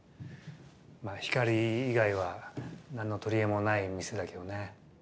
光以外は何の取り柄もない店だけどね。